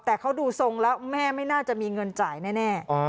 แต่เขาดูทรงแล้วแม่ไม่น่าจะมีเงินจ่ายแน่